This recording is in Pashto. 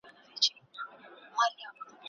ټولنیز ژوند د انسان اړتیا ده.